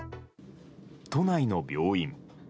都内の病院。